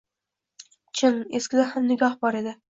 Chin, eskida ham nikoh bor edi.